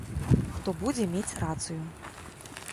Хто будзе мець рацыю.